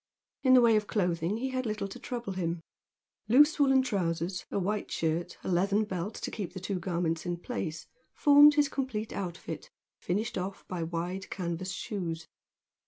In the way of clothing he had little to trouble him. Loose woollen trousers, a white shirt, and a leathern belt to keep the two garments in place, formed his complete outfit, finished off by wide canvas shoes.